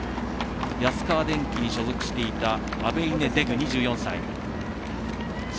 安川電機に所属していたアベイネ・デグ、２４歳。